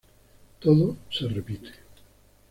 Todo se repite.